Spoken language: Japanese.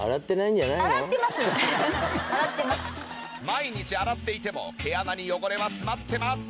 毎日洗っていても毛穴に汚れは詰まってます。